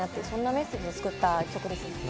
そんなメッセージで作った曲です。